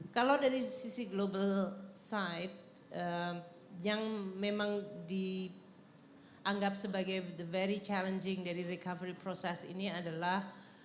kalau dari sisi global side yang memang dianggap sebagai the very challenging dari recovery process ini adalah